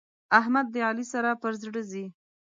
احمد د علي سره پر زړه ځي.